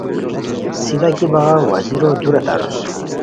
سیدھا کی باغاؤ وزیرو دورا تاروس